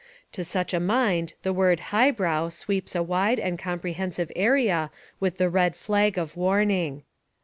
To such a mind the word "highbrow" sweeps a wide and comprehensive area with the red flag of warning.